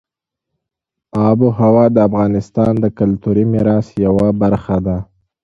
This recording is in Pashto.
آب وهوا د افغانستان د کلتوري میراث یوه برخه ده.